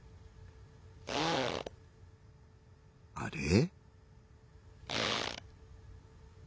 あれ？